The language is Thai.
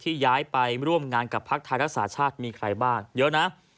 ย้ายไปร่วมงานกับพักไทยรักษาชาติมีใครบ้างเยอะนะ